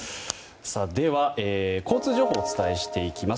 では、交通情報をお伝えしていきます。